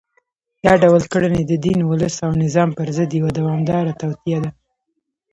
دا ډول کړنې د دین، ولس او نظام پر ضد یوه دوامداره توطیه ده